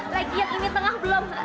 lagi yang ini tengah belum